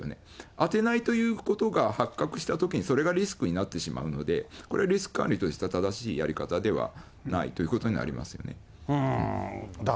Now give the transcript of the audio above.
当てないということが発覚したときに、それがリスクになってしまうので、これ、リスク管理としては正しいやり方ではないということになりますね。